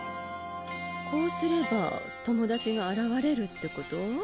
こうすれば友達が現れるってこと？